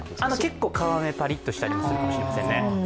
結構皮目パリッとしたりするかもしれないですね。